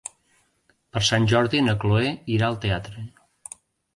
Per Sant Jordi na Chloé irà al teatre.